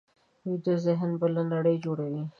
ویده ذهن بله نړۍ جوړوي